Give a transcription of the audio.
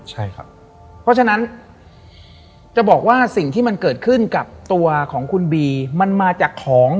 ใช่ครับเพราะฉะนั้นจะบอกว่าสิ่งที่มันเกิดขึ้นกับตัวของคุณบีมันมาจากของ